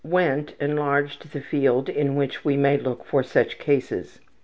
Wendt enlarges the field in which we may look for such cases.